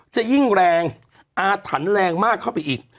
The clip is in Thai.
จะยิ่งแรงอาถรรพ์แรงมากเข้าไปอีก